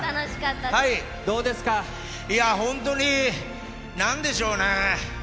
いやー、本当になんでしょうね、